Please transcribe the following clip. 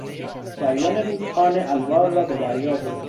جریان رودخانه الوار را به دریا برد.